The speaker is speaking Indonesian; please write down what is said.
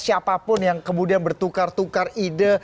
siapapun yang kemudian bertukar tukar ide